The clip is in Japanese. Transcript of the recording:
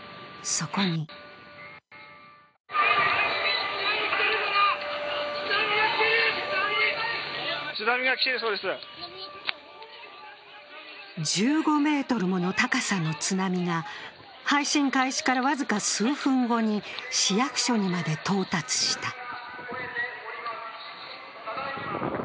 そこに１５ｍもの高さの津波が配信開始から僅か数分後に市役所にまで到達した。